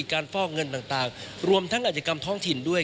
ฟอกเงินต่างรวมทั้งอาจกรรมท้องถิ่นด้วย